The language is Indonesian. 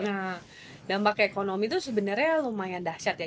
nah dampak ekonomi itu sebenarnya lumayan dahsyat ya